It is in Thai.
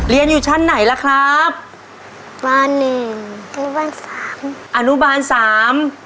เรียนอยู่ชั้นไหนล่ะครับบ้านหนึ่งอนุบาลสามอนุบาลสาม